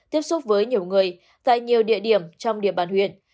tiếp xúc với nhiều người tại nhiều địa điểm trong địa bàn huyện